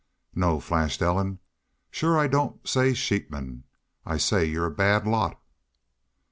"No," flashed Ellen. "Shore I don't say sheepmen. I say y'u're a BAD LOT."